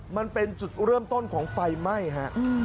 มันเป็นจุดเริ่มต้นของไฟไหม้ฮะ